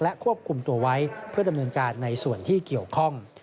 ควบคุมตัวไว้เพื่อดำเนินการในส่วนที่เกี่ยวข้อง